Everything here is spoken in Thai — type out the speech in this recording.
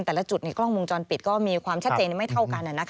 แต่ละจุดในกล้องวงจรปิดก็มีความชัดเจนไม่เท่ากัน